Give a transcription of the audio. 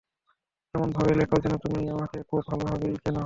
এমন ভাবে লেখ যেন, তুমি আমাকে খুব ভালোভাবেই চেনো।